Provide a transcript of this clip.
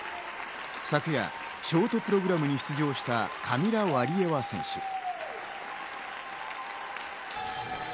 昨夜ショートプログラムに出場したカミラ・ワリエワ選手。